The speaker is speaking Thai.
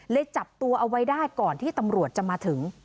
จับตัวเอาไว้ได้ก่อนที่ตำรวจจะมาถึง